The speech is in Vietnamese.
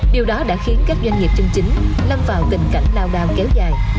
điều đó đã khiến các doanh nghiệp chân chính lâm vào tình cảnh lao đao kéo dài